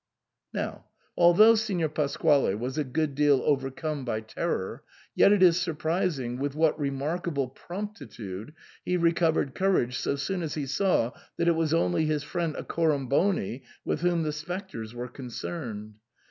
Now, although Signor Pasquale was a good deal overcome by terror, yet it is surprising with what re markable promptitude he recovered courage so soon as he saw that it was only his friend Accoramboni with whom the spectres were concerned.